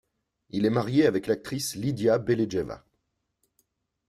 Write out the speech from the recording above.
Il est marié avec l'actrice Lidia Belejeva.